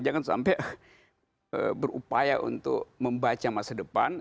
jangan sampai berupaya untuk membaca masa depan